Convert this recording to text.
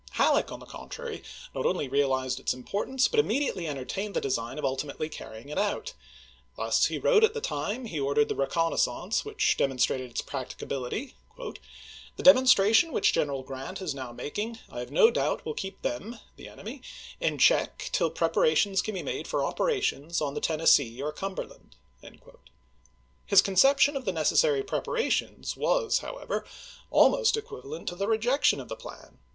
Halleck, on the contrary, not only realized its im portance, but immediately entertained the design of ultimately carrying it out ; thus he wrote at the time he ordered the reconnaissance which demon strated its practicability :" The demonstration which General Grant is now making I have no doubt will keep them [the enemy] in check till preparations can be made for operations on the Tennessee or Cumberland." His conception of the necessary preparations was, however, almost equivalent to the rejection of the plan.